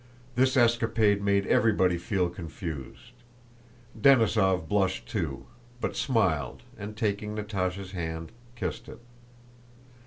This escapade made everybody feel confused. Denísov blushed too, but smiled and, taking Natásha's hand, kissed it.